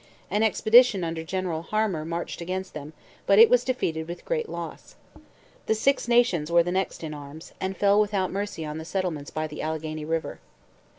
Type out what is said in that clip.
An expedition under General Harmar marched against them, but it was defeated with great loss. The Six Nations were the next in arms, and fell without mercy on the settlements by the Alleghany river.